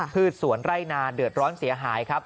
พืชสวนไร่นาเดือดร้อนเสียหายครับ